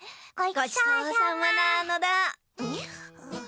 ごちそうさまなのだ。